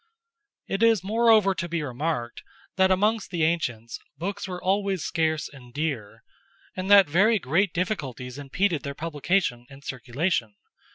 It is moreover to be remarked, that amongst the ancients books were always scarce and dear; and that very great difficulties impeded their publication and circulation.